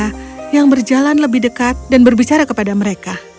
robert dan emilia yang berjalan lebih dekat dan berbicara kepada mereka